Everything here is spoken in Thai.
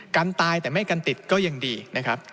กันตายแต่ไม่กันติดก็ยังดีนะครับ